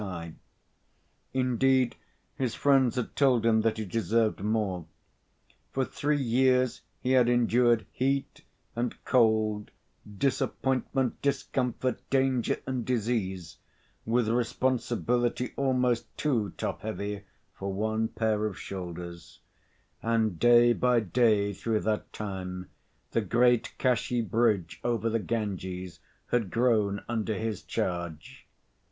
I. Indeed, his friends told him that he deserved more. For three years he had endured heat and cold, disappointment, discomfort, danger, and disease, with responsibility almost to top heavy for one pair of shoulders; and day by day, through that time, the great Kashi Bridge over the Ganges had grown under his charge.